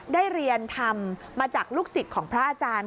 ได้เรียนธรรมมาจากลูกศิษย์ของพระอาจารย์